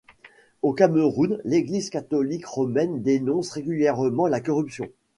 Au Cameroun, l'Église catholique romaine dénonce régulièrement la corruption.